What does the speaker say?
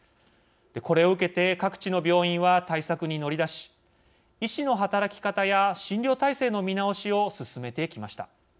これを受けて各地の病院は対策に乗り出し医師の働き方や診療体制の見直しを進めてきました。